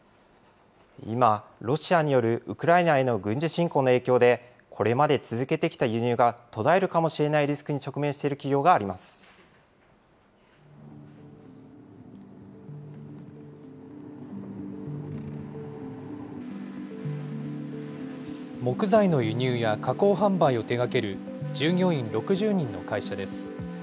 今、ロシアによるウクライナへの軍事侵攻の影響で、これまで続けてきた輸入が途絶えるかもしれないリスクに直面している企業があ木材の輸入や加工販売を手がける従業員６０人の会社です。